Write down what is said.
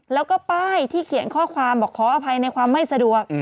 แล้วก็ป้ายที่เขียนข้อความบอกขออภัยในความไม่สะดวก